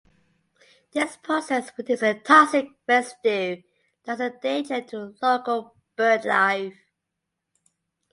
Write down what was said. This process produced a toxic residue that was a danger to the local birdlife.